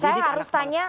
saya harus tanya